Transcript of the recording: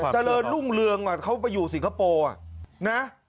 เจริญรุ่งเรืองเขาไปอยู่สิงคโปร์นะ